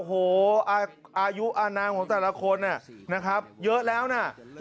หรือว่าอายุอานางให้แก่คนเยอะแล้วแหละ